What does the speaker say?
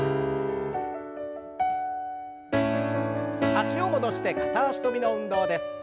脚を戻して片脚跳びの運動です。